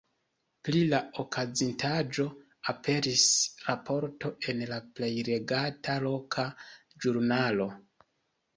Pri la okazintaĵo aperis raporto en la plej legata loka ĵurnalo.